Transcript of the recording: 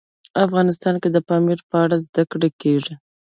افغانستان کې د پامیر په اړه زده کړه کېږي.